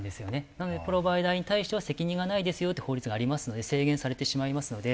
なのでプロバイダーに対しては責任がないですよって法律がありますので制限されてしまいますので。